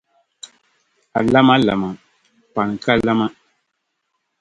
A lama lama, pani ka lama.